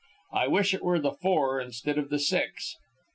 I wish it were the Four instead of the Six."